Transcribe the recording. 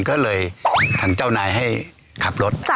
ก็เลยทางเจ้านายให้ขับรถ